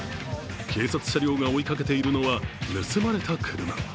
警察車両が追いかけているのは盗まれた車。